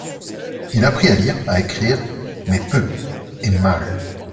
Il apprit à lire, à écrire, mais peu et mal.